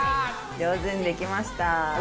上手にできました。